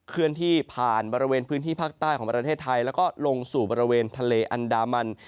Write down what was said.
เคลื่อนที่ผ่านบริเวณพื้นที่ภาคใต้ของประเทศไทยแล้วก็ลงสู่บริเวณทะเลอันดามัน